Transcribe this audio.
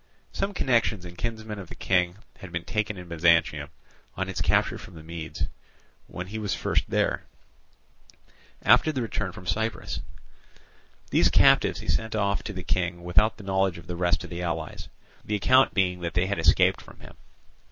Some connections and kinsmen of the King had been taken in Byzantium, on its capture from the Medes, when he was first there, after the return from Cyprus. These captives he sent off to the King without the knowledge of the rest of the allies, the account being that they had escaped from him.